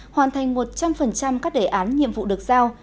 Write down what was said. hoàn thành một trăm linh các đề án nhiệm vụ được giao